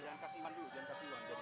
jangan kasih uang dulu